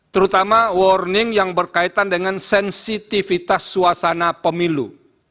terutama warning yang berkaitan dengan sensitivitas suasana pemilu